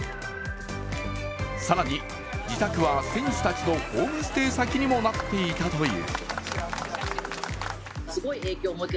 更に、自宅は選手たちのホームステイ先にもなっていたという。